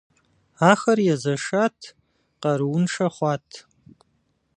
Ахэр езэшат, къарууншэ хъуат.